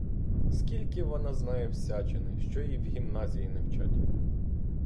Скільки вона знає всячини, що і в гімназії не вчать!